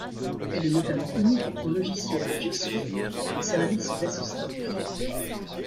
Elle est notamment connue pour son logiciel de gestion des services d'assistance.